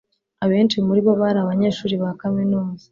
abenshi muri bo bari abanyeshuri ba kaminuza